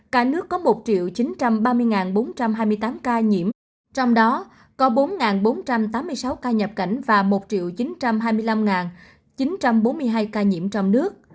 cả nước có một chín trăm ba mươi bốn trăm hai mươi tám ca nhiễm trong đó có bốn bốn trăm tám mươi sáu ca nhập cảnh và một chín trăm hai mươi năm chín trăm bốn mươi hai ca nhiễm trong nước